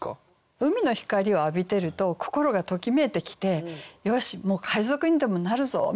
海の光を浴びてると心がときめいてきて「よし！もう海賊にでもなるぞ！」みたいな感じ。